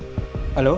bisa mencari koneksi